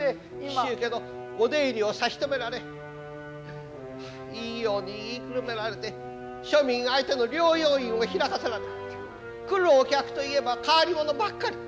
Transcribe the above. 紀州家のお出入りを差し止められいいように言いくるめられて庶民相手の療養院を開かせられ来るお客といえば変わり者ばっかり。